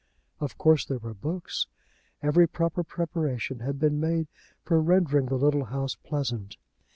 Of course there were books. Every proper preparation had been made for rendering the little house pleasant.